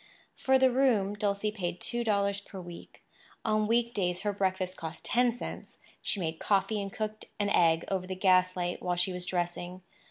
For the room, Dulcie paid two dollars per week. On week days her breakfast cost ten cents; she made coffee and cooked an egg over the gaslight while she was dressing.